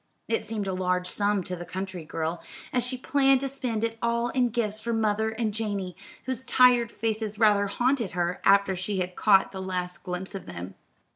It seemed a large sum to the country girl, and she planned to spend it all in gifts for mother and Janey, whose tired faces rather haunted her after she had caught the last glimpse of them.